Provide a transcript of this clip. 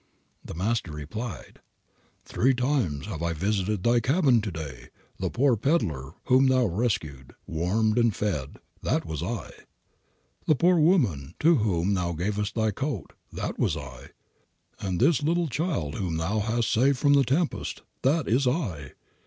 The Master replied, "Three times have I visited thy cabin to day. The poor peddler whom thou rescued, warmed and fed, that was I; the poor woman to whom thou gavest thy coat, that was I; and this little child whom thou hast saved from the tempest, that is I.